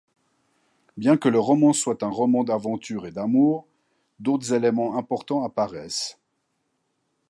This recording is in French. Bien que le roman soit un roman d'aventures et d'amour, d'autres éléments importants apparaissent.